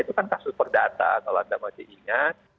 itu kan kasus perdata kalau anda masih ingat